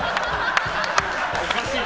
おかしい！